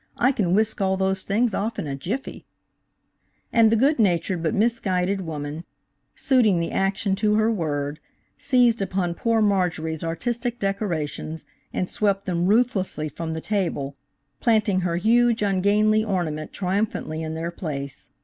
I can whisk all those things off in a jiffy." And the good natured, but misguided woman, suiting the action to the word, seized upon poor Marjorie's artistic decorations and swept them ruthlessly from the table, planting her huge, ungainly ornament triumphantly in their place.